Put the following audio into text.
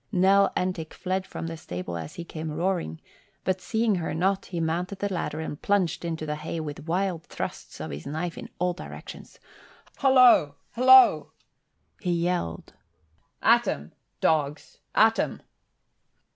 Nell Entick fled from the stable as he came roaring, but seeing her not, he mounted the ladder and plunged into the hay with wild thrusts of his knife in all directions. "Hollo! Hollo!" he yelled. "At 'em, dogs, at 'em!"